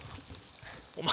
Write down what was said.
お前